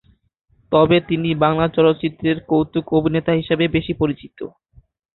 তবে তিনি বাংলা চলচ্চিত্রের কৌতুক-অভিনেতা হিসাবে বেশি পরিচিত।